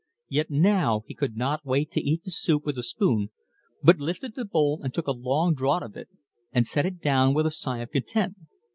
Yet now he could not wait to eat the soup with a spoon, but lifted the bowl and took a long draught of it, and set it down with a sigh of content.